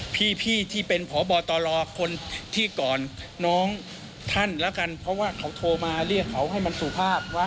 พี่ที่เป็นพบตรคนที่ก่อนน้องท่านแล้วกันเพราะว่าเขาโทรมาเรียกเขาให้มันสุภาพว่า